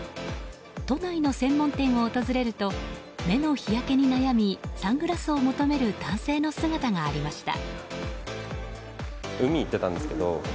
都内の専門店を訪れると目の日焼けに悩みサングラスを求める男性の姿がありました。